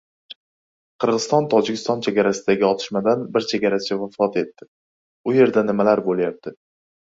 Qirg‘iziston - Tojikiston chegarasidagi otishmadan bir chegarachi vafot etdi. U yerda nimalar bo‘lyapti?